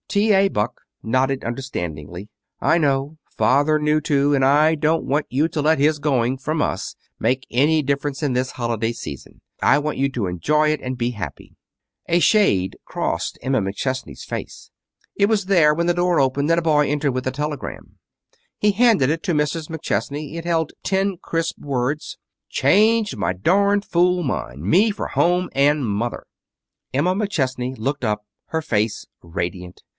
T. A. Buck nodded understandingly. "I know. Father knew too. And I don't want you to let his going from us make any difference in this holiday season. I want you to enjoy it and be happy." A shade crossed Emma McChesney's face. It was there when the door opened and a boy entered with a telegram. He handed it to Mrs. McChesney. It held ten crisp words: Changed my darn fool mind. Me for home and mother. Emma McChesney looked up, her face radiant.